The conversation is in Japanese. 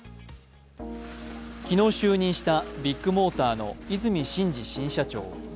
昨日就任したビッグモーターの和泉伸二新社長。